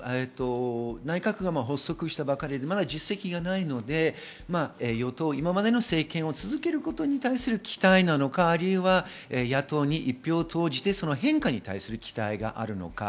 内閣府が発足したばかりで実績がないので、今までの政権を続けることに対する期待なのか、野党に一票を投じて変化に対する期待があるのか。